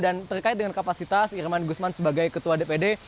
dan terkait dengan kapasitas irman gusman sebagai ketua dpd